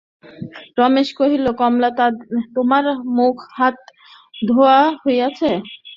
রমেশ কহিল, কমলা, তোমার মুখ-হাত ধোওয়া হইয়াছে?